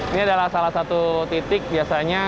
ini adalah salah satu titik biasanya